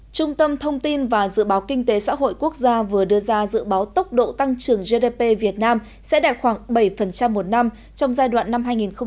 trung tâm thông tin và dự báo kinh tế xã hội quốc gia vừa đưa ra dự báo tốc độ tăng trưởng gdp việt nam sẽ đạt khoảng bảy một năm trong giai đoạn năm hai nghìn hai mươi một hai nghìn hai mươi năm